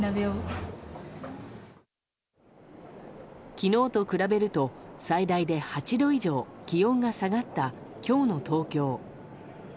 機能と比べると最大で８度以上気温が下がった今日の東京。